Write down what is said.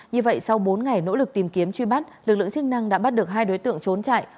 như vậy sau bốn ngày nỗ lực tìm kiếm truy bắt lực lượng chức năng đã bắt được hai đối tượng trốn chạy